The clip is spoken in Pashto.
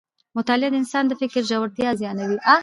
مطالعه د انسان د فکر ژورتیا زیاتوي